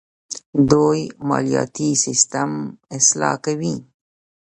دوی مالیاتي سیستم اصلاح کوي.